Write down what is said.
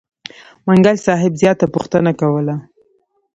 منګل صاحب زیاته پوښتنه کوله.